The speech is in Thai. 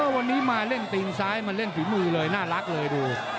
วันนี้มาเล่นตีนซ้ายมาเล่นฝีมือเลยน่ารักเลยดู